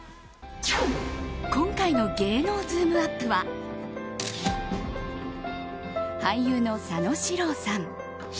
今回の芸能ズームＵＰ！は俳優の佐野史郎さん。